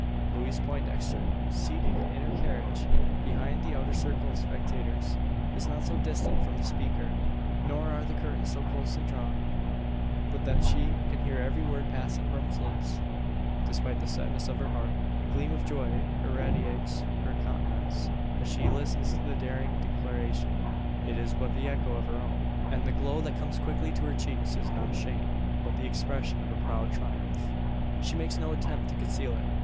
Louise Poindexter, seated in her carriage behind the outer circle of spectators, is not so distant from the speaker, nor are the curtains so closely drawn, but that she can hear every word passing from his lips. Despite the sadness of her heart, a gleam of joy irradiates her countenance, as she listens to the daring declaration. It is but the echo of her own; and the glow that comes quickly to her cheeks is not shame, but the expression of a proud triumph. She makes no attempt to conceal it.